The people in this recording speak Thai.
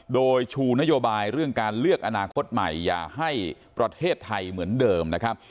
โดยชูนโยบายเรื่องการเลือกอนาคตใหม่อย่าให้ประเทศไทยเหมือนเดิมนะครับ